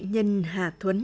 và nhập nguồn